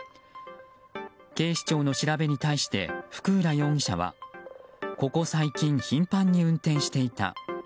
警視庁の調べに対して福浦容疑者はここ最近、頻繁に運転していた。